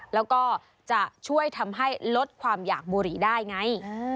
แล้วก็จะช่วยทำให้ลดความอยากบุหรี่ได้ไง